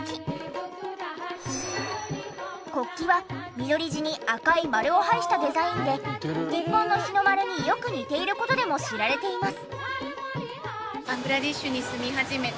国旗は緑地に赤い丸を配したデザインで日本の日の丸によく似ている事でも知られています。